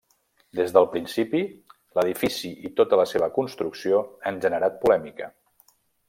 Des del principi, l'edifici i tota la seva construcció han generat polèmica.